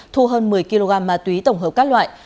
thu hơn một mươi kg ma túy tổng hợp các loại